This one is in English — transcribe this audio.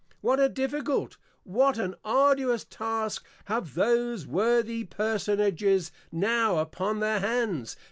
What a Difficult, what an Arduous Task, have those Worthy Personages now upon their Hands?